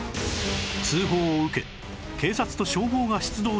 通報を受け警察と消防が出動する事態に